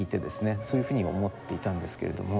そういうふうに思っていたんですけれども。